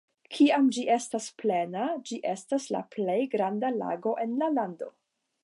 Kiam ĝi estas plena, ĝi estas la plej granda lago en la lando.